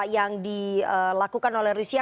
yang dilakukan oleh rusia